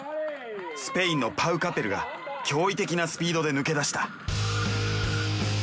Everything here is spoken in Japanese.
スペインのパウ・カペルが驚異的なスピードで抜け出した。